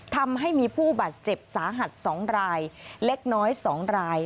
ทำให้มีผู้บาดเจ็บสาหัส๒รายเล็กน้อย๒ราย